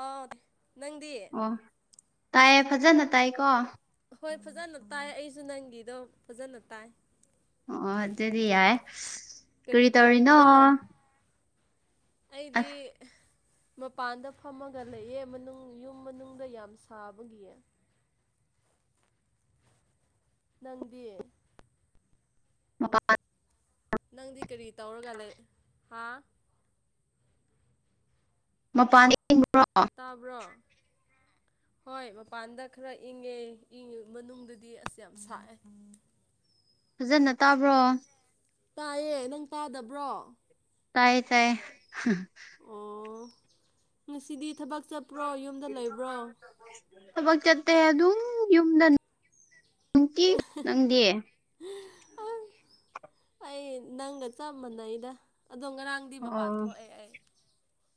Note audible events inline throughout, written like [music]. ꯑꯥꯎ꯫ ꯅꯪꯗꯤ꯫ ꯑꯣ ꯇꯥꯏꯌꯦ ꯐꯖꯅ ꯇꯥꯏꯀꯣ꯫ ꯍꯣꯏ ꯐꯖꯅ ꯇꯥꯏ ꯑꯩꯁꯨ ꯅꯪꯒꯤꯗꯣ ꯐꯖꯅ ꯇꯥꯏ꯫ ꯑꯣ ꯑꯣ ꯑꯗꯨꯗꯤ ꯌꯥꯔꯦ ꯀꯔꯤ ꯇꯧꯔꯤꯅꯣ꯫ ꯑꯩꯗꯤ꯫ ꯑꯁ ꯃꯄꯥꯟꯗ ꯐꯝꯃꯒ ꯂꯩꯌꯦ ꯃꯅꯨꯡ ꯌꯨꯝ ꯃꯅꯨꯡꯗ ꯌꯥꯝ ꯁꯥꯕꯒꯤ꯫ ꯅꯪꯗꯤ꯫ [unintelligible] ꯅꯪꯗꯤ ꯀꯔꯤ ꯇꯧꯔꯒ ꯂꯩ ꯍꯥ꯫ ꯃꯄꯥꯟꯗ ꯏꯪꯕ꯭ꯔꯣ꯫ ꯇꯥꯕ꯭ꯔꯣ꯫ ꯍꯣꯏ ꯃꯄꯥꯟꯗ ꯈꯔ ꯏꯪꯉꯦ ꯏꯪꯉꯤ ꯃꯅꯨꯡꯗꯗꯤ ꯑꯁ ꯌꯥꯝ ꯁꯥꯏ꯫ ꯐꯖꯅ꯫ ꯇꯥꯕ꯭ꯔꯣ ꯇꯥꯏꯌꯦ ꯅꯪ ꯇꯥꯗꯕ꯭ꯔꯣ꯫ ꯇꯥꯏꯌꯦ ꯇꯥꯏꯌꯦ꯫ ꯑꯣ ꯉꯁꯤꯗꯤ ꯊꯕꯛ ꯆꯠ ꯊꯕꯛ ꯆꯠꯇꯦ ꯑꯗꯨꯝ ꯌꯨꯝꯗ ꯅꯨꯡꯇꯤ ꯅꯪꯗꯤ꯫ ꯑꯩ ꯅꯪꯒ ꯆꯞ ꯃꯥꯟꯅꯩꯗ ꯑꯗꯣ ꯉꯔꯥꯡ ꯑꯣ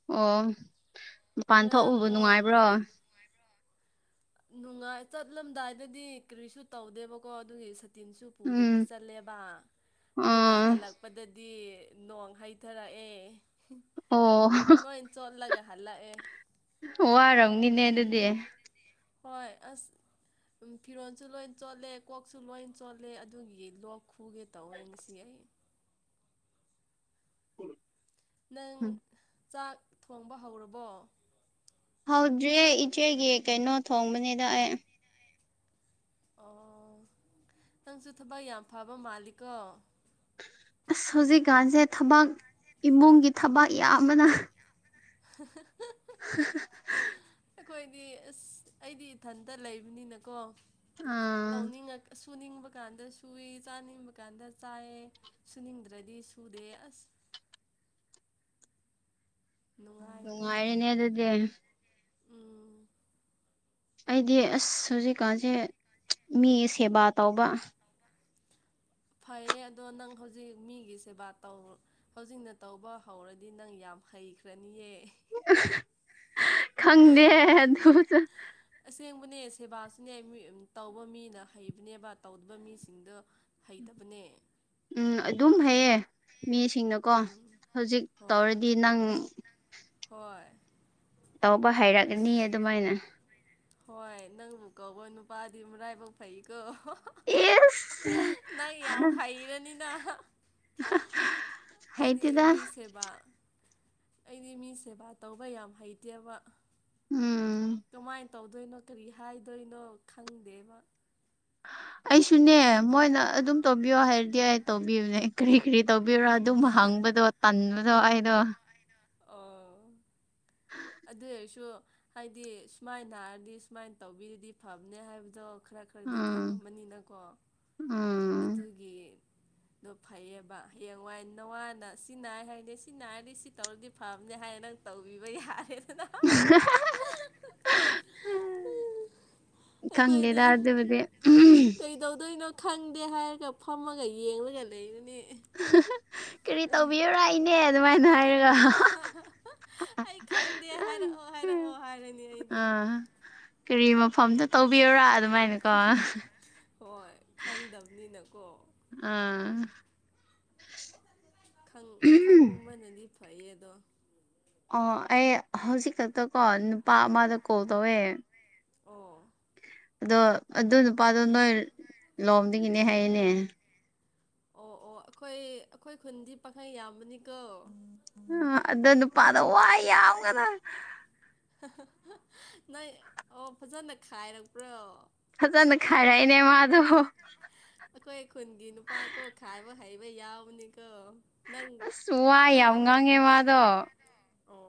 ꯑꯣ ꯃꯄꯥꯟ ꯊꯣꯛꯎꯕ ꯉꯔꯥꯡꯗꯣ ꯅꯨꯡꯉꯥꯏꯕ꯭ꯔꯣ꯫ ꯅꯨꯡꯉꯥꯏ ꯆꯠꯂꯝꯗꯥꯏꯗꯗꯤ ꯀꯔꯤꯁꯨ ꯇꯧꯗꯦꯕꯀꯣ ꯑꯗꯨꯒꯤ ꯁꯠ ꯇꯤꯟꯁꯨ ꯄꯨꯗꯕꯤ ꯎꯝ ꯆꯠꯂꯦꯕ ꯑꯗꯨꯒ ꯑꯥ ꯍꯜꯂꯛꯄꯗꯗꯤ꯫ ꯅꯣꯡ ꯍꯩꯊꯔꯛꯑꯦ꯫ ꯑꯣ ꯂꯣꯏ ꯆꯣꯠꯂꯒ ꯍꯜꯂꯛꯑꯦ ꯋꯥꯔꯝꯅꯤꯅꯦ ꯑꯗꯨꯗꯤ꯫ ꯍꯣꯏ ꯑꯁ꯫ ꯎꯝ ꯐꯤꯔꯣꯟꯁꯨ ꯂꯣꯏ ꯆꯣꯠꯂꯦ ꯀꯣꯛꯁꯨ ꯂꯣꯏ ꯆꯣꯠꯂꯦ ꯑꯗꯨꯒꯤ ꯂꯣꯛ ꯈꯨꯒꯦ ꯇꯧꯋꯦ ꯉꯁꯤ ꯑꯩ ꯅꯪ ꯎꯝ ꯆꯥꯛ ꯊꯣꯡꯕ ꯍꯧꯔꯕꯣ ꯍꯧꯗ꯭ꯔꯤꯌꯦ ꯏꯆꯦꯒꯤ ꯀꯩꯅꯣ ꯊꯣꯡꯕꯅꯤꯗ ꯑꯩ ꯑꯣ ꯅꯪꯁꯨ ꯊꯕꯛ ꯌꯥꯝ ꯐꯕ ꯃꯥꯜꯂꯤꯀꯣ ꯑꯁ ꯍꯧꯖꯤꯛꯀꯥꯟꯁꯦ ꯊꯕꯛ ꯏꯕꯨꯡꯒꯤ ꯊꯕꯛ ꯌꯥꯝꯕꯅ ꯌꯥꯝꯕꯅ [unintelligible] [unintelligible] ꯑꯩꯈꯣꯏꯗꯤ ꯑꯁ ꯑꯩꯗꯤ ꯏꯊꯟꯇ ꯂꯩꯕꯅꯤꯅꯀꯣ ꯑꯥ ꯇꯧꯅꯤꯡꯉꯛ ꯁꯨꯅꯤꯡꯕ ꯀꯥꯟꯗ ꯁꯨꯏ ꯆꯥꯅꯤꯡꯕ ꯀꯥꯟꯗ ꯆꯥꯏꯌꯦ ꯁꯨꯅꯤꯡꯗ꯭ꯔꯗꯤ ꯁꯨꯗꯦ ꯑꯁ ꯅꯨꯡꯉꯥꯏꯇꯦ ꯅꯨꯡꯉꯥꯏꯔꯦꯅꯦ ꯑꯗꯨꯗꯤ [inaudible] ꯎꯝ ꯑꯩꯗꯤ ꯑꯁ ꯍꯧꯖꯤꯛꯀꯥꯟꯁꯦ ꯃꯤꯒꯤ ꯁꯦꯕꯥ ꯇꯧꯕ ꯐꯩꯌꯦ ꯑꯗꯣ ꯅꯪ ꯍꯧꯖꯤꯛ ꯃꯤꯒꯤ ꯁꯦꯕꯥ ꯇꯧ ꯍꯧꯖꯤꯛꯅ ꯇꯧꯕ ꯍꯧꯔꯗꯤ ꯅꯪ ꯌꯥꯝ ꯍꯩꯈ꯭ꯔꯅꯤꯌꯦ ꯈꯪꯗꯦ ꯑꯗꯨꯁꯨ ꯑꯁꯦꯡꯕꯅꯦ ꯁꯦꯕꯥꯁꯨꯅꯦ ꯃꯤ ꯇꯧꯕ ꯃꯤꯅ ꯍꯩꯕꯅꯦꯕ ꯇꯧꯗꯕ ꯃꯤꯁꯤꯡꯗꯣ ꯍꯩꯇꯕꯅꯦ ꯎꯝ ꯑꯗꯨꯝ ꯍꯩꯌꯦ ꯃꯤꯁꯤꯡꯅꯀꯣ ꯎꯝ ꯍꯧꯖꯤꯛ ꯍꯣꯏ ꯇꯧꯔꯗꯤ ꯅꯪ ꯍꯣꯏ ꯇꯧꯕ ꯍꯩꯔꯛꯑꯅꯤ ꯑꯗꯨꯃꯥꯏꯅ ꯍꯣꯏ ꯅꯪꯕꯨ ꯀꯣꯕ ꯅꯨꯄꯥꯗꯤ ꯃꯥꯔꯥꯏ ꯕꯛ ꯐꯩꯀꯣ ꯏꯁ ꯅꯪ ꯌꯥꯝ ꯍꯩꯔꯅꯤꯅ ꯑꯩꯗꯤ ꯍꯩꯇꯦꯗ ꯃꯤ ꯁꯦꯕꯥ ꯑꯩꯗꯤ ꯃꯤ ꯁꯦꯕꯥ ꯇꯧꯕ ꯌꯥꯝ ꯍꯩꯇꯦꯕ ꯎꯝ ꯀꯃꯥꯏꯅ ꯇꯧꯗꯣꯏꯅꯣ ꯀꯔꯤ ꯍꯥꯏꯗꯣꯏꯅꯣ ꯈꯪꯗꯦꯕ ꯑꯩꯁꯨꯅꯦ ꯃꯣꯏꯅ ꯑꯗꯨꯝ ꯇꯧꯕꯤꯌꯣ ꯍꯥꯏꯔꯗꯤ ꯑꯩ ꯇꯧꯕꯤꯌꯨꯅꯦ ꯀꯔꯤ ꯀꯔꯤ ꯇꯧꯕꯤ ꯌꯨꯔ ꯑꯗꯨꯝꯕ ꯍꯪꯕꯗꯣ ꯇꯟꯕꯗꯣ ꯑꯩꯗꯣ ꯑꫭ ꯑꯗꯨ ꯑꯣꯏꯁꯨ ꯍꯥꯏꯗꯤ ꯁꯨꯃꯥꯏꯅ ꯅꯥꯔꯗꯤ ꯍꯥꯏꯔꯗꯤ ꯁꯨꯃꯥꯏꯅ ꯇꯧꯕꯤꯔꯗꯤ ꯐꯕꯅꯦ ꯍꯥꯏꯕꯗꯣ ꯈꯔ ꯈꯔꯗꯤ ꯎꯝ ꯈꯪꯉꯃꯅꯤꯅꯀꯣ ꯎꯝ ꯑꯗꯨꯒꯤ ꯑꯗꯨ ꯐꯩꯌꯦꯕ ꯍꯌꯦꯡꯋꯥꯏ ꯅꯋꯥꯅ ꯁꯤ ꯅꯥꯏ ꯍꯥꯏꯅꯦ ꯁꯤ ꯅꯥꯏꯔꯗꯤ ꯁꯤ ꯇꯧꯔꯗꯤ ꯐꯕꯅꯦ ꯍꯥꯏꯌꯦ ꯅꯪ ꯇꯧꯕꯤꯕ ꯌꯥꯔꯦ [inaudible] ꯈꯪꯗ°ꯗꯥ ꯑꯩꯈꯣꯏꯗꯤ ꯑꯗꯨꯕꯨꯗꯤ ꯀꯩꯗꯧꯗꯣꯏꯅꯣ ꯈꯪꯗꯦ ꯍꯥꯏꯔꯒ ꯐꯝꯃꯒ ꯌꯦꯡꯂꯡꯉꯒ ꯂꯩꯕꯅꯦ ꯀꯔꯤ ꯇꯧꯕꯤꯌꯨꯔꯥ ꯏꯅꯦ ꯑꯗꯨꯃꯥꯏꯅ ꯍꯥꯏꯔꯒ ꯑꯩ ꯈꯪꯗꯦ ꯍꯥꯏꯔꯛꯑꯣ ꯍꯥꯏꯔꯛꯑꯣ ꯍꯥꯏꯔꯅꯤ ꯑꯩꯗꯤ ꯑꯥ ꯀꯔꯤ ꯃꯐꯝꯗ ꯇꯧꯕꯤꯌꯨꯔꯥ ꯑꯗꯨꯃꯥꯏꯅꯀꯣ ꯍꯣꯏ ꯈꯪꯗꯕꯅꯤꯅꯀꯣ ꯑꯥ ꯈꯪ ꯈꯪꯕꯅꯗꯤ ꯐꯩꯌꯦ ꯑꯗꯣ ꯑ ꯑꯩ ꯍꯧꯖꯤꯛ ꯈꯛꯇ ꯀꯣ ꯅꯨꯄꯥ ꯑꯃꯗ ꯀꯣꯜ ꯇꯧꯋꯦ ꯑꯣ ꯑꯗꯣ ꯑꯗꯨ ꯅꯨꯄꯥꯗꯣ ꯅꯣꯏ ꯂꯣꯝꯗꯒꯤꯅꯦ ꯍꯥꯏꯌꯦꯅꯦ ꯑꯣ ꯑꯣ ꯑꯩꯈꯣꯏ ꯑꯈꯣꯏ ꯈꯨꯟꯗꯤ ꯄꯥꯈꯩ ꯌꯥꯝꯕꯅꯤꯀꯣ ꯑ ꯑꯗꯣ ꯅꯨꯄꯥꯗꯣ ꯋꯥ ꯌꯥꯝꯉꯔ ꯅꯪ ꯑꯣ ꯐꯖꯅ ꯈꯥꯏꯔꯛꯄ꯭ꯔꯣ ꯐꯖꯅ ꯈꯥꯏꯔꯛꯑꯦꯅꯦ ꯃꯥꯗꯣ ꯑꯩꯈꯣꯏ ꯈꯨꯟꯒꯤ ꯅꯨꯄꯥ ꯀꯣ ꯈꯥꯏꯕ ꯍꯩꯕ ꯌꯥꯎꯕꯅꯤꯀꯣ ꯅꯪꯪ ꯑꯁ ꯋꯥ ꯅꯪ ꯌꯥꯝ ꯑꯃꯨꯛ ꯉꯥꯡꯉꯦ ꯃꯥꯗꯣ ꯑꯣ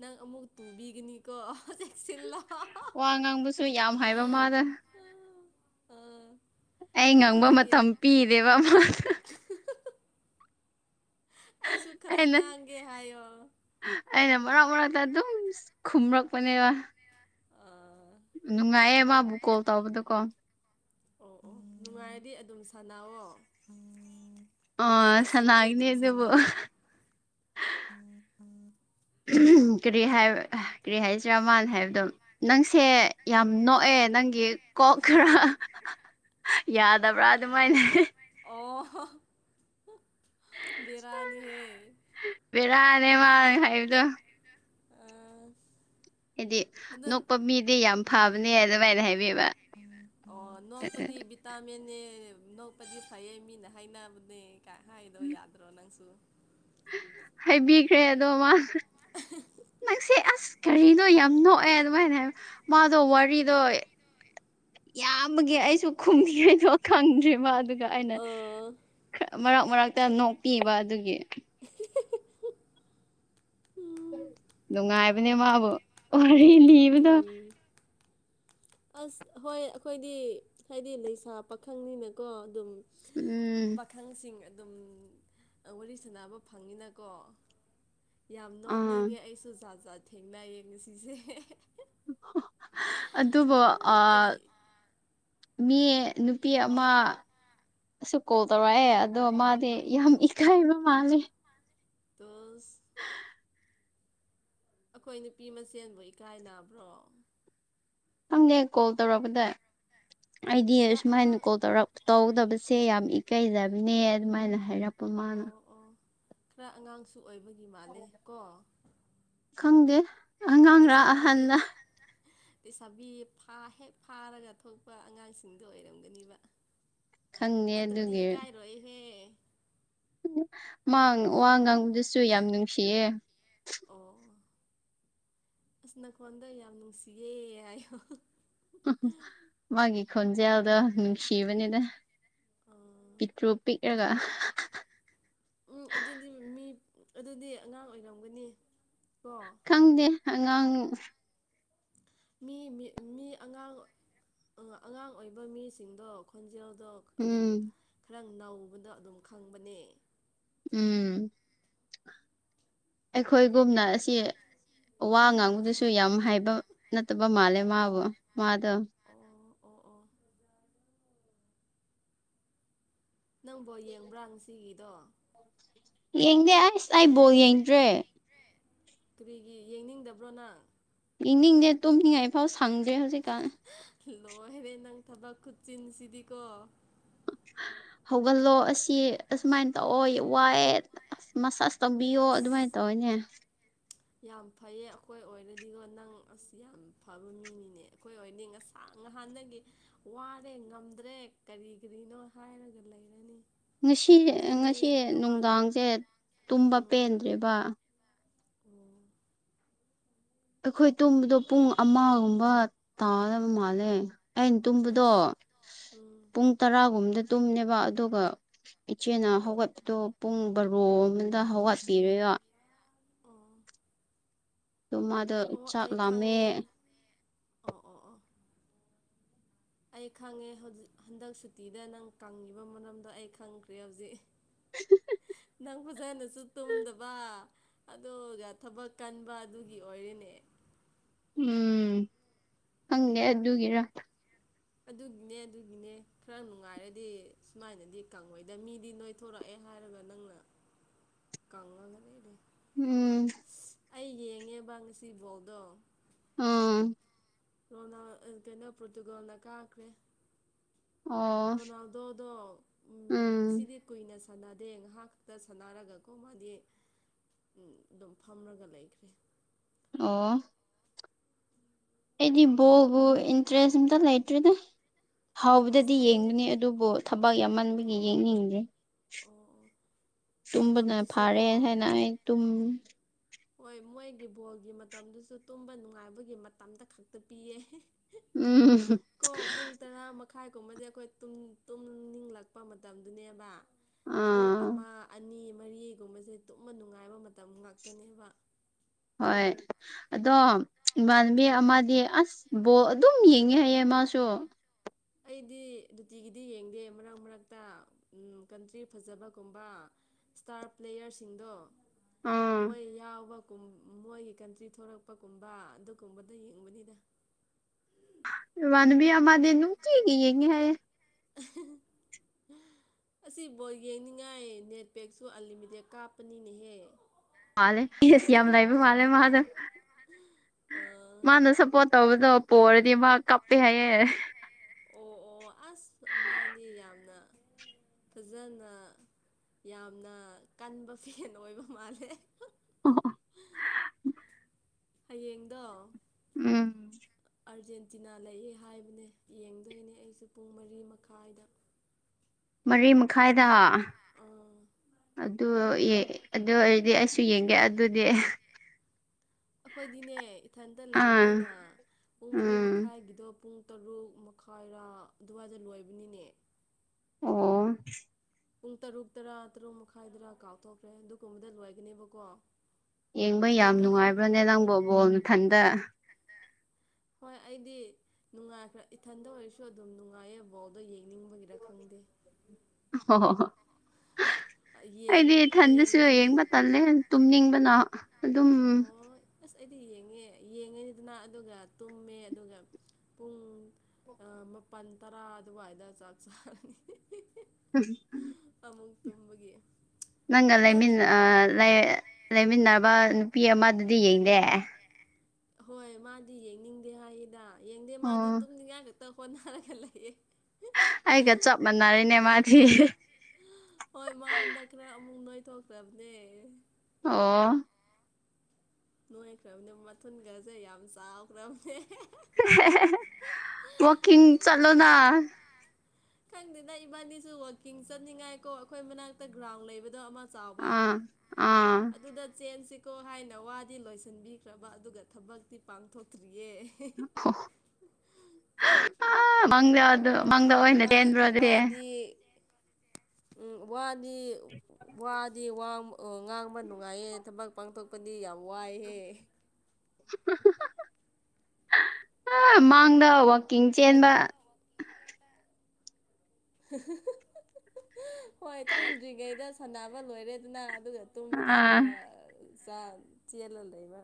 ꯅꯪ ꯑꯃꯨꯛ ꯇꯨꯕꯤꯒꯅꯤ ꯀꯣ ꯆꯦꯛꯁꯤꯜꯂꯣ ꯋꯥ ꯉꯥꯡꯕꯁꯨ ꯌꯥꯝ ꯍꯥꯏꯕ ꯃꯥꯗ ꯅꯪ ꯑꯣ ꯑꯩ ꯉꯥꯡꯕ ꯃꯇꯝ ꯄꯤꯗꯦꯕ ꯑꯃ ꯑꯩꯁꯨꯨ ꯈ꯭ꯔ ꯑꯩꯅ ꯉꯥꯡꯒꯦ ꯍꯥꯏꯌꯣ ꯑꯩꯅ ꯃꯔꯛ ꯃꯔꯛꯇ ꯑꯗꯨꯝ ꯈꯨꯝꯔꯛꯄꯅꯦꯕ ꯑ ꯅꯨꯡꯉꯥꯏꯌꯦ ꯃꯥꯕꯨ ꯀꯣꯜ ꯇꯧꯕꯗꯣꯀꯣ ꯑꯣ ꯑꯣ ꯅꯨꯡꯉꯥꯏꯔꯗꯤ ꯑꯗꯨꯝ ꯁꯥꯟꯅꯥꯎꯑꯣ ꯑ ꯅꯨꯡꯉꯥꯏꯕꯁꯤꯡꯗꯤ ꯁꯅꯥꯒꯤꯅꯤ ꯑꯗꯨꯝ ꯑꯗꯨꯕꯨ ꯁꯥꯟꯅꯧꯋꯣ ꯎꯝ ꯎꯝ ꯀꯔꯤ ꯍꯥꯏ ꯀꯔꯤ ꯍꯥꯏꯁꯤꯔꯥ ꯃꯥꯅ ꯍꯥꯏꯕꯗꯣ ꯅꯪꯁꯦ ꯌꯥꯝ ꯅꯣꯛꯑꯦ ꯅꯪꯒꯤ ꯀꯣꯛ ꯈꯔ ꯌꯥꯗꯕ꯭ꯔꯥ ꯑꯗꯨꯃꯥꯏꯅ ꯑꯣ ꯕꯦꯔꯥꯅꯤꯍꯦ ꯕꯦꯔꯥꯅꯦ ꯃꯥꯅ ꯍꯥꯏꯥꯕꯗꯣ ꯍꯥꯏꯗꯤ ꯅꯪ ꯅꯣꯛꯄ ꯃꯤꯗꯤ ꯌꯥꯝ ꯐꯕꯅꯦ ꯑꯗꯨꯃꯥꯏꯅ ꯍꯥꯏꯕꯤꯕ [unintelligible] ꯑꯣ ꯅꯣꯡꯄꯗꯤ ꯇꯥꯃꯤꯟꯅꯦ ꯅꯣꯛꯄꯗꯤ ꯐꯩꯌꯦ ꯃꯤꯅ ꯍꯥꯏꯅꯕꯅꯦ ꯀꯥꯏ ꯍꯥꯏꯗꯣ ꯌꯥꯗ꯭ꯔꯣ ꯅꯪꯁꯨ ꯍꯥꯏꯕꯤꯈ꯭ꯔꯦ ꯑꯗꯣ ꯃꯥ ꯅꯪꯁꯦ ꯑꯁ ꯀꯔꯤꯅꯣ ꯌꯥꯝ ꯅꯣꯛꯑꯦ ꯑꯗꯨꯃꯥꯏꯅ ꯃꯥꯗꯣ ꯋꯥꯔꯤꯗꯣ ꯌꯥꯝꯕꯒꯤ ꯑꯩꯁꯨ ꯈꯨꯝꯕꯤꯔꯩꯗꯣ ꯈꯪꯗ꯭ꯔꯤ ꯃꯥꯁꯨꯀ ꯑꯗꯨꯒ ꯑꯩꯅ ꯑꯥ ꯃꯔꯛ ꯃꯔꯛꯇ ꯅꯣꯛꯄꯤꯕ ꯑꯗꯨꯒꯤ [unintelligible] ꯅꯨꯡꯉꯥꯏꯕꯅꯦ ꯃꯥꯕꯨ ꯋꯥꯔꯤ ꯂꯤꯕꯗꯣ ꯎꯝ ꯑꯁ ꯍꯣꯏ ꯑꯈꯣꯏꯗꯤ ꯍꯥꯏꯗꯤ ꯂꯩꯁꯥ ꯄꯥꯈꯪꯅꯤꯅꯀꯣ ꯑꯗꯨꯝ ꯎꯝ ꯄꯥꯈꯪꯁꯤꯡ ꯑꯗꯨꯝ ꯋꯥꯔꯤ ꯁꯥꯟꯅꯕ ꯐꯪꯅꯤꯅꯥꯀꯣ ꯌꯥꯝ ꯑꯥ ꯅꯣꯛꯅꯤꯡꯉꯦ ꯑꯩꯁꯨ ꯖꯥꯠ ꯖꯥꯠ ꯊꯦꯡꯅꯩꯌꯦ ꯉꯁꯤꯁꯦ ꯑꯗꯨꯕꯣ ꯑ ꯀꯔꯤ ꯃꯤ ꯅꯨꯄꯤ ꯑꯃ ꯉꯁꯤ ꯀꯣꯜ ꯇꯧꯔꯛꯑꯦ ꯑꯗꯣ ꯃꯥꯗꯤ ꯌꯥꯝ ꯏꯀꯥꯏꯕ ꯃꯥꯜꯂꯦ ꯭ꯎꯝ ꯑꯩꯈꯣꯏ ꯅꯨꯄꯤ ꯃꯁꯦꯟꯕꯨ ꯏꯀꯥꯏꯅꯕ꯭ꯔꯣ ꯈꯪꯗꯦ ꯀꯣꯜ ꯇꯧꯔꯛꯄꯗ ꯑꯩꯗꯤ ꯈꯔ ꯑꯁꯨꯃꯍꯥꯏꯅ ꯑꯉꯥꯡ ꯀꯣꯜ ꯇꯧꯔꯛ ꯇꯧꯗꯕꯁꯦ ꯌꯥꯝ ꯏꯀꯩꯖꯕꯅꯦ ꯑꯗꯨꯃꯥꯏꯅ ꯍꯥꯏꯔꯛ ꯑꯣ ꯑꯣ ꯈꯔ ꯑꯉꯥꯡꯁꯨ ꯑꯣꯏꯕꯒꯤ ꯃꯥꯜꯂꯦ ꯀꯣ ꯈꯪꯗꯦ ꯑꯉꯥꯡꯔ ꯂꯩꯁꯥꯕꯤ ꯑꯍꯟꯔ ꯂꯩꯁꯥꯕꯤ ꯐꯥ ꯍꯦꯛ ꯐꯥꯔꯒ ꯊꯣꯛꯄ ꯑꯉꯥꯡꯁꯤꯡꯗꯣ ꯑꯣꯏꯔꯝꯒꯅꯤꯕ ꯈꯪꯗꯦ ꯅꯠꯇ꯭ꯔꯗꯤ ꯑꯗꯨꯒꯤ ꯏꯀꯥꯏꯔꯣꯏꯍꯦ ꯃꯥ ꯋꯥ ꯉꯥꯡꯕꯗꯁꯨ ꯌꯥꯝ ꯅꯨꯡꯁꯤꯌꯦ ꯑꯣ ꯑꯣ ꯑꯁ ꯅꯈꯣꯟꯗ ꯌꯥꯝ ꯅꯨꯡꯁꯤꯌꯦ ꯍꯥꯏꯌꯣ ꯃꯥꯒꯤ ꯈꯣꯟꯖꯦꯜ ꯗꯣ ꯅꯨꯡꯁꯤꯕꯅꯤꯗ ꯑꯥ ꯄꯤꯛꯇ꯭ꯔꯨꯛ ꯄꯤꯛꯔꯒ ꯎꯝ ꯑꯗꯨꯗꯤ ꯃꯤ ꯑꯗꯨꯗꯤ ꯑꯉꯥꯡ ꯑꯣꯏꯔꯝꯒꯅꯤ ꯀꯣ ꯈꯪꯗꯦ ꯑꯉꯥꯡ ꯃꯤ ꯃꯤ ꯃꯤ ꯑꯉꯥꯡ ꯑ ꯑꯉꯥꯡ ꯑꯣꯏꯕ ꯃꯤꯁꯤꯡꯗꯣ ꯈꯣꯟꯖꯦꯜꯗꯣ ꯑꯗꯨꯝ ꯎꯝ ꯈꯔ ꯅꯧꯕꯗꯣ ꯑꯗꯨꯝ ꯈꯪꯕꯅꯦ ꯎꯝ ꯑꯩꯈꯣꯏꯒꯨꯝꯅ ꯑꯁꯤ ꯋꯥ ꯍꯣꯏ ꯉꯥꯡꯕꯗꯁꯨ ꯌꯥꯝ ꯍꯩꯕ ꯅꯠꯇꯕ ꯃꯥꯂꯦ ꯃꯥꯕꯨ ꯃꯥꯗꯣ ꯑꯣ ꯑꯣ ꯑꯣ ꯅꯪ ꯕꯣꯜ ꯌꯦꯡꯕ꯭ꯔꯥ ꯉꯁꯤꯒꯤꯗꯣ ꯌꯦꯡꯗꯦ ꯑꯁ ꯑꯩ ꯕꯣꯜ ꯌꯦꯡꯗ꯭ꯔꯦ ꯀꯔꯤꯒꯤ ꯌꯦꯡꯅꯤꯡꯗꯕ꯭ꯔꯣ ꯅꯪ ꯌꯦꯡꯅꯤꯡꯗꯦ ꯇꯨꯝꯅꯤꯡꯉꯥꯏꯐꯥꯎ ꯁꯪꯗꯦ ꯍꯧꯖꯤꯛꯀꯥꯟ ꯂꯣꯏꯔꯦ ꯅꯪ ꯊꯕꯛ ꯈꯨꯠꯆꯤꯟꯁꯤꯗꯤꯀꯣ ꯍꯧꯒꯠꯂꯣ ꯑꯁꯤ ꯑꯁꯨꯃꯥꯏꯅ ꯇꯧꯑꯣ ꯋꯥꯏꯌꯦ ꯑ ꯃꯁꯥꯁ ꯇꯧꯕꯤꯌꯣ ꯑꯗꯨꯃꯥꯏ ꯑꯁ ꯇꯧꯋꯦꯅꯦ ꯌꯥꯝ ꯐꯩꯌꯦ ꯑꯩꯈꯣꯏ ꯑꯣꯏꯔꯗꯤꯉꯣ ꯅꯪ ꯑꯁ ꯌꯥꯝ ꯐꯕ ꯃꯤꯅꯤꯅꯦ ꯑꯩꯈꯣꯏ ꯑꯣꯏꯗꯤ ꯉꯁꯥꯡ ꯉꯍꯥꯟꯗꯒꯤ ꯋꯥꯔꯦ ꯉꯝꯗ꯭ꯔꯦ ꯀꯔꯤ ꯀꯔꯤꯅꯣ ꯍꯥꯏꯔꯒ ꯂꯩꯔꯅꯤ ꯉꯁꯤ ꯑ ꯅꯪꯗꯤ ꯉꯁꯤ ꯅꯋꯥ ꯅꯨꯡꯗꯥꯡꯁꯦ ꯇꯨꯝꯕ ꯎꯝ ꯄꯦꯟꯗ꯭ꯔꯦꯕ ꯑꯣ ꯑꯩꯈꯣꯏ ꯇꯨꯝꯕꯗꯣ ꯄꯨꯡ ꯑꯃꯒꯨꯝꯕ ꯇꯥꯔꯕ ꯃꯥꯜꯂꯦ ꯑꯩꯅ ꯇꯨꯝꯕꯗꯣ ꯑꯁ ꯎꯝ ꯄꯨꯡ ꯇꯔꯥꯒꯨꯝꯗ ꯇꯨꯝꯅꯦꯕ ꯑꯗꯨꯒ ꯏꯆꯦꯅ ꯍꯧꯒꯠꯄꯗꯣ ꯄꯨꯡ ꯕꯔꯣ ꯑꯃꯗ ꯍꯧꯒꯠꯄꯤꯔꯦꯕ ꯑꯣ ꯑꯗꯣ ꯃꯥ ꯑꯣ ꯑꯩ ꯈꯥꯡꯉꯦ ꯑꯣ ꯑꯣ ꯑꯣ ꯑꯩ ꯈꯪꯉꯦ ꯍꯧꯖꯤꯛ ꯍꯟꯗꯛ ꯁꯨꯇꯤꯗ ꯅꯪ ꯀꯪꯉꯤꯕ ꯃꯔꯝꯗꯣ ꯑꯩ ꯈꯪꯈ꯭ꯔꯦ ꯍꯧꯖꯤꯛ ꯅꯪ ꯐꯖꯅꯁꯨ ꯇꯨꯝꯗꯕ ꯑꯗꯨꯒ ꯊꯕꯛ ꯀꯟꯕ ꯑꯗꯨꯒꯤ ꯑꯣꯏꯔꯤꯅꯦ ꯎꯝ ꯈꯪꯗꯦ ꯑꯗꯨꯒꯤꯔ ꯑꯗꯨꯒꯤꯅꯦ ꯑꯗꯨꯒꯤꯅꯦ ꯈꯔ ꯅꯨꯡꯉꯥꯏꯔꯗꯤ ꯁꯨꯃꯥꯏꯅꯗꯤ ꯀꯪꯉꯣꯏꯗ ꯃꯤꯗꯤ ꯅꯣꯏ ꯊꯣꯔꯛꯑꯦ ꯍꯥꯏꯔꯒ ꯅꯪꯅ [inaudible] ꯀꯪꯉꯒ ꯂꯩꯩꯔꯦ ꯎꯝ ꯑꯩ ꯌꯦꯡꯉꯦꯕ ꯉꯁꯤ ꯕꯣꯜꯗꯣ ꯎꯝ ꯔꯣꯅꯥ ꯑꯥ ꯀꯩꯅꯣ ꯄꯣꯔꯇꯨꯒꯜꯅ ꯀꯥꯈ꯭ꯔꯦ ꯑꯣ ꯔꯣꯅꯥꯜꯗꯣꯗꯣ ꯎꯝ ꯉꯁꯤꯗꯤ ꯀꯨꯏꯅ ꯁꯥꯟꯅꯗꯦ ꯉꯍꯥꯛ ꯈꯛꯇ ꯁꯥꯟꯅꯔꯒꯀꯣ ꯃꯥꯗꯤ ꯎꯝ ꯗꯨꯝ ꯐꯝꯔꯒ ꯂꯩꯈ꯭ꯔꯦ꯫ ꯑꯣ ꯑꯩꯗꯤ ꯕꯣꯜꯕꯨ ꯏꯟꯇꯔꯦꯁ ꯑꯝꯇ ꯂꯩꯇ꯭ꯔꯦꯗ ꯑꯁ ꯍꯥꯎꯕꯗꯗꯤ ꯑꯩ ꯌꯦꯡꯕꯅꯤ ꯗꯨꯕꯨ ꯊꯕꯛ ꯌꯥꯝꯃꯟꯕꯒꯤ ꯌꯦꯡꯅꯤꯡꯗꯔ꯭ꯦ ꯑꯣ ꯑꯣ ꯇꯨꯝꯕꯅ ꯃꯇꯝꯗꯨꯁꯨ ꯐꯥꯔꯦ ꯀꯣ ꯍꯥꯏꯅ ꯑꯩ ꯇꯨꯝ ꯍꯣꯏ ꯃꯣꯏꯒꯤ ꯕꯣꯜꯒꯤ ꯃꯇꯝꯗꯨꯁꯨ ꯇꯨꯝꯕ ꯅꯨꯡꯉꯥꯏꯕꯒꯤ ꯃꯇꯝꯗ ꯈꯛꯇ ꯄꯤꯌꯦ ꯎꯝ ꯀꯣ ꯄꯨꯡ ꯇꯔꯥ ꯃꯈꯥꯏꯒꯨꯝꯕꯗꯤ ꯑꯩꯈꯣꯏ ꯇꯨꯝ ꯇꯨꯝꯅꯤꯡꯂꯛꯄ ꯃꯇꯝꯗꯨꯅꯦꯕ ꯄꯨꯡ ꯑꯥ ꯑꯃ ꯑꯅꯤ ꯃꯔꯤꯒꯨꯝꯕꯁꯦ ꯇꯨꯝꯅ ꯅꯨꯡꯉꯥꯏꯕ ꯃꯇꯝ ꯉꯥꯛꯇꯅꯦꯕ ꯍꯣꯏ ꯑꯗꯣ ꯏꯃꯥꯟꯕꯤ ꯎꯝ ꯑꯃꯗꯤ ꯑꯁ ꯕꯣꯜ ꯑꯗꯨꯝ ꯌꯦꯡꯉꯦ ꯍꯥꯏꯌꯦ ꯃꯥꯁꯨ ꯑꯩꯗꯤ ꯅꯨꯇꯤꯒꯤꯗꯤ ꯌꯦꯡꯗꯦ ꯃꯔꯛ ꯃꯔꯛꯇ ꯎꯝ ꯀꯟꯇ꯭ꯔꯤ ꯐꯖꯕꯒꯨꯝꯕ ꯁꯇ꯭ꯥꯔ ꯄ꯭ꯂꯦꯌꯔꯁꯤꯡꯗꯣ ꯑꯥ ꯃꯣꯏ ꯌꯥꯎꯕ ꯒꯨꯝ ꯃꯣꯏꯒꯤ ꯀꯟꯇ꯭ꯔꯤ ꯊꯣꯔꯛꯄꯒꯨꯝꯕ ꯑꯗꯨꯒꯨꯝꯕꯗ ꯌꯦꯡꯕꯅꯤꯗ ꯏꯃꯥꯟꯅꯕꯤ ꯑꯃꯗꯤ ꯅꯨꯡꯇꯤꯒꯤ ꯌꯦꯡꯉꯦ ꯍꯥꯏꯌꯦ ꯑꯁꯤ ꯕꯣꯜ ꯌꯦꯡꯅꯤꯡꯉꯥꯏ ꯅꯦꯠꯄꯦꯛꯁꯨ ꯑꯟꯂꯤꯃꯤꯇꯦꯠ ꯀꯥꯞꯄꯅꯤꯅꯦꯍꯦ ꯃꯥꯜꯂꯦ ꯑꯩꯁ ꯌꯥꯝ ꯂꯩꯥꯏꯕ ꯃꯥꯜꯂꯦ ꯃꯥꯗꯣ ꯃꯥꯅ ꯁꯞꯄꯣꯔꯠ ꯇꯧꯕꯗꯣ ꯄꯣꯔꯗꯤ ꯃꯥ ꯀꯞꯄꯦ ꯍꯥꯏꯌꯦ ꯑꯣ ꯑꯣ ꯑꯁ ꯃꯥꯗꯤ ꯌꯥꯝꯅ ꯐꯖꯟꯅ ꯌꯥꯝꯅ ꯀꯟꯕ ꯐꯦꯟ ꯑꯣꯏꯕ ꯃꯥꯜꯂꯦ ꯑꯣ ꯑꯣ ꯍꯌꯦꯡꯗꯣ ꯎꯝ ꯑꯥꯔꯖꯦꯟꯇꯤꯅꯥ ꯂꯩꯌꯦ ꯍꯥꯏꯕꯅꯦ ꯌꯦꯡꯗꯣꯏꯅꯦ ꯑꯩꯁꯨ ꯄꯨꯡ ꯃꯔꯤ ꯃꯈꯥꯏꯗ ꯃꯔꯤ ꯃꯈꯥꯏꯗ ꯑꯥ ꯑꯗꯨ ꯌꯦ ꯑꯗꯨ ꯑꯣꯏꯔꯗꯤ ꯑꯩꯁꯨ ꯌꯦꯡꯒꯦ ꯑꯗꯨꯗꯤ ꯑꯈꯣꯏꯗꯤꯅꯦ ꯏꯊꯟꯇ ꯑꯥ ꯂꯩꯕꯅꯤꯅ ꯄꯨꯡ ꯃꯔꯤ ꯎꯝ ꯃꯈꯥꯏꯒꯤꯗꯣ ꯄꯨꯡ ꯇꯔꯨꯛ ꯃꯈꯥꯏꯔꯥ ꯑꯗꯨꯋꯥꯏꯗ ꯂꯣꯏꯕꯅꯤꯅꯦ ꯑꯣ ꯄꯨꯡ ꯇꯔꯨꯛ ꯇꯔꯥ ꯇꯔꯨꯛ ꯃꯈꯥꯏꯗꯔꯥ ꯀꯥꯎꯊꯣꯛꯈ꯭ꯔꯦ ꯑꯗꯨꯒꯨꯝꯕꯗ ꯂꯣꯏꯒꯅꯦꯕꯀꯣ ꯌꯦꯡꯕ ꯌꯥꯝ ꯑꯗꯨꯒ ꯅꯨꯡꯉꯥꯏꯕ꯭ꯔꯅꯦ ꯅꯪꯕꯨ ꯕꯣꯜ ꯃꯊꯟꯗ ꯍꯣꯏ ꯑꯩꯗꯤ ꯅꯨꯡꯉꯥꯏꯈ꯭ꯔ ꯏꯊꯟꯇ ꯑꯣꯏꯔꯁꯨ ꯑꯗꯨꯝ ꯅꯨꯡꯉꯥꯏꯌꯦ ꯕꯣꯜꯗꯣ ꯌꯦꯡꯅꯤꯡꯕꯒꯤꯔ ꯈꯪꯗꯦ꯫ ꯍꯣ ꯍꯣ ꯍꯣ ꯌꯦꯡ ꯑꯩꯗꯤ ꯏꯊꯟꯗꯁꯨ ꯌꯦꯡꯉꯅꯤ ꯌꯦꯡꯕ ꯇꯜꯂꯦ꯫ ꯇꯨꯝꯅꯤꯡꯕꯅ ꯑꯗꯨꯝ ꯑꯣ ꯑꯁ ꯑꯩꯗꯤ ꯌꯦꯡꯉꯦ ꯌꯦꯡꯉꯦꯗꯅ ꯑꯗꯨꯒ ꯇꯨꯝꯃꯦ ꯑꯗꯨꯒ ꯄꯨꯡ ꯑ ꯃꯄꯟ ꯇꯔꯥ ꯑꯗꯨꯋꯥꯏꯗ ꯆꯥꯛ ꯆꯥꯔꯅꯤ꯫ ꯎꯝ ꯑꯃꯨꯛ ꯇꯨꯝꯕꯒꯤ ꯫ ꯅꯪꯒ ꯂꯩꯃꯤꯟꯅ ꯑ ꯂꯩ ꯂꯩꯃꯤꯟꯅꯕ ꯅꯨꯄꯤ ꯑꯃ ꯅꯨꯄꯤ ꯑꯃꯗꯨꯗꯤ ꯌꯦꯡꯗꯦ ꯍꯣꯏ ꯃꯥꯗꯤ ꯌꯦꯡꯅꯤꯡꯗꯦ ꯍꯥꯏꯌꯦꯗ ꯌꯦꯡꯗꯦ ꯃꯥꯗꯤ ꯇꯨꯝꯅꯤꯡꯉꯥꯏ ꯈꯛꯇ ꯍꯣꯠꯅꯔꯒ ꯂꯩꯌꯦ ꯑꯩꯒ ꯆꯞ ꯃꯥꯅꯔꯦꯅꯦ ꯃꯥꯗꯤ ꯍꯣꯏ ꯃꯥ ꯍꯟꯗꯛ ꯈꯔ ꯑꯃꯨꯛ ꯅꯣꯏꯊꯣꯛꯈꯔꯕꯅꯦ ꯑꯣ ꯅꯣꯏꯈ꯭ꯔꯝꯅꯦ ꯃꯊꯨꯟꯒꯥꯖꯦ ꯌꯥꯝ ꯆꯥꯎꯈ꯭ꯔꯝꯅꯦ ꯋꯥꯛꯀꯤꯡ ꯆꯠꯂꯣꯅ ꯈꯪꯗꯦꯗ ꯏꯕꯥꯅꯤꯁꯨ ꯋꯥꯛꯀꯤꯡ ꯆꯠꯅꯤꯡꯉꯥꯏ ꯀꯣ ꯑꯈꯣꯏ ꯃꯅꯥꯛꯇ ꯒ꯭ꯔꯥꯎꯟ ꯂꯩꯕꯗꯣ ꯑꯃ ꯆꯥꯎꯕ ꯑꯥ ꯑꯥ ꯑꯗꯨꯗ ꯆꯦꯟꯁꯤ ꯀꯣ ꯍꯥꯏꯅ ꯋꯥꯗꯤ ꯂꯣꯏꯁꯤꯟꯕꯤꯈ꯭ꯔꯕ ꯑꯗꯨꯒ ꯊꯕꯛꯇꯤ ꯄꯥꯡꯊꯣꯛꯇ꯭ꯔꯤꯌꯦ [unintelligible] ꯃꯪꯗ ꯑꯗꯨ ꯃꯪꯗ ꯑꯣꯏꯅ ꯆꯦꯟꯕ꯭ꯔꯣ ꯑꯗꯨꯗꯤ ꯏ ꯎꯝ ꯋꯥꯗꯤ ꯋꯥꯗꯤ ꯋꯥꯝ ꯑꯣ ꯉꯥꯡꯕ ꯅꯨꯡꯉꯥꯏꯌꯦ ꯊꯕꯛ ꯄꯥꯡꯊꯣꯛꯄꯗꯤ ꯌꯥꯝ ꯋꯥꯏꯍꯦ ꯃꯥꯡꯗ ꯋꯥꯛꯀꯤꯡ ꯑꯗꯨ ꯆꯦꯟꯕ ꯍꯣꯏ ꯇꯨꯝꯗ꯭ꯔꯤꯉꯩꯗ ꯁꯥꯅꯕ ꯂꯣꯏꯔꯦꯗꯅ ꯑꯗꯨꯒ ꯑꯥ ꯇꯨꯝꯕꯀꯥꯟꯗ ꯆꯥꯟ ꯆꯦꯜꯂ ꯂꯩꯩꯕ